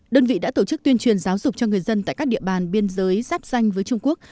đơn vị đã tổ chức tuyên truyền giáo dục cho người dân tại các địa bàn biên giới giáp danh với trung quốc